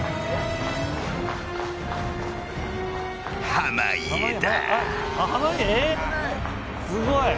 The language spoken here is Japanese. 濱家だ。